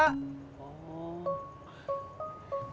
emang di jual juga